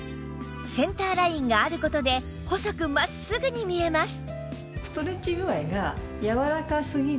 センターラインがある事で細く真っすぐに見えます